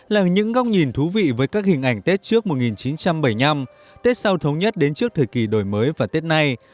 là những góc nhìn thú vị với các hình ảnh tết trước một nghìn chín trăm bảy mươi năm tết sau thống nhất đến trước thời kỳ đổi mới và tết nay